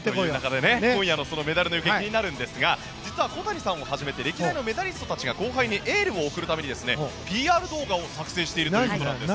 今夜のメダルの行方気になるんですが実は小谷さんをはじめ歴代のメダリストたちが後輩にエールを送るためにＰＲ動画を作成しているということなんです。